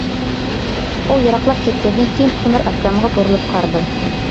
ئۇ يىراقلاپ كەتكەندىن كېيىن تۆمۈر ئاكامغا بۇرۇلۇپ قارىدىم.